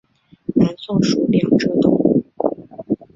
南宋属两浙东路。